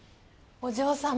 お嬢様。